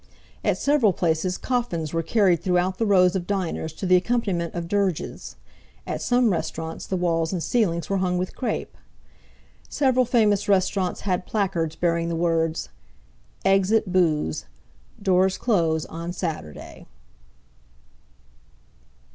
At several places coffins were carried throughout the rows of diners to the accompaniment of dirges. At some restaurants the walls and ceilings were hung with crepe. Several famous restaurants had placards bearing the words "Exit booze. Doors close on Saturday."